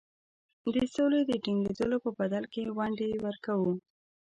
د سولي د ټینګېدلو په بدل کې ونډې ورکوو.